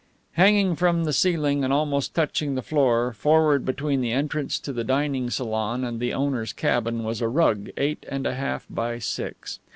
Hanging from the ceiling and almost touching the floor, forward between the entrance to the dining salon and the owner's cabin, was a rug eight and a half by six.